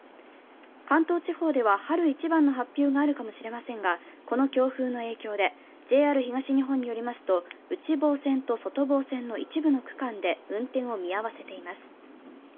関東地方では春一番の発表があるかもしれませんが、この強風の影響でＪＲ東日本によりますと、内房線と外房線の一部の区間で運転を見合わせています。